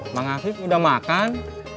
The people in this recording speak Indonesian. mang afiq udah makan